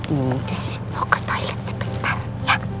mudis mau ke toilet sebentar ya